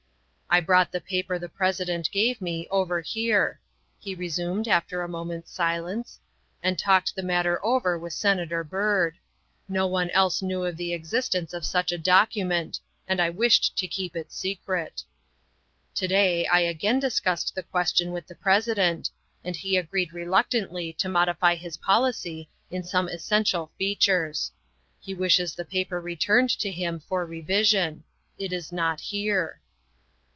" I brought the paper the President gave me over here," he resumed after a moment's silence, " and talked the matter over with Senator Byrd. No one else THE SECRETARY OF STATE 183 knew of the existence of such a document and I wished to keep it secret. " To day I again discussed the question with the President and he agreed reluctantly to modify his policy in some essential features. He wishes the paper re turned to him for revision. It is not here."